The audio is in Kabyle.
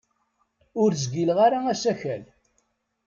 Ur zgileɣ ara asakal.